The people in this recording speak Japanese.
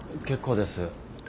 結構です。